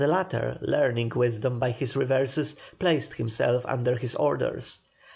The latter, learning wisdom by his reverses, placed himself under his orders.